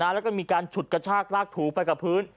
แล้วก็มีการฉุดกระชากลากถูไปกับพื้น